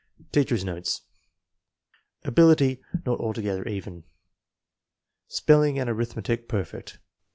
Teacher's notes. Ability not altogether even. Spell ing and arithmetic perfect.